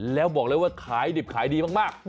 แล้วบอกเลยว่าขายดิบขายดีมาก